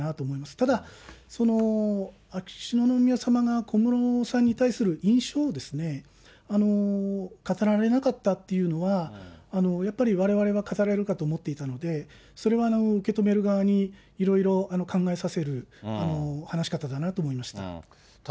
ただ、秋篠宮さまが小室さんに対する印象を語られなかったというのは、やはり、われわれは語られるかと思っていたので、それは受け止める側に、いろいろ考えさせる話し方だなと思いました。